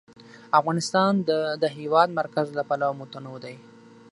افغانستان د د هېواد مرکز له پلوه متنوع دی.